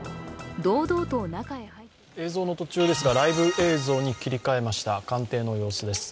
堂々と中へ入って映像の途中ですが、ライブ映像に切り換えました、官邸の様子です。